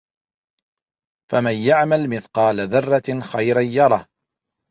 فَمَن يَعمَل مِثقالَ ذَرَّةٍ خَيرًا يَرَهُ